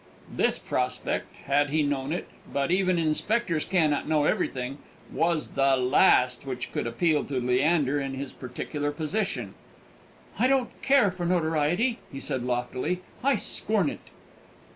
This prospect, had he known it but even inspectors cannot know everything was the last which could appeal to Leander in his peculiar position. "I don't care for notoriety," he said loftily; "I scorn it."